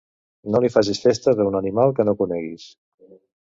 No li facis festes a animal que no coneguis.